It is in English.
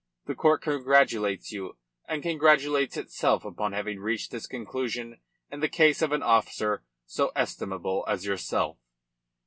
The court congratulates you and congratulates itself upon having reached this conclusion in the case of an officer so estimable as yourself."